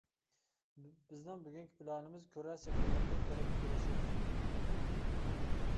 بىزنىڭ بۈگۈنكى پىلانىمىز كۈرە سېپىللىرىنى كۆرۈپ كېلىش ئىدى.